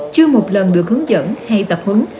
chưa một lần được hướng dẫn hay tập hứng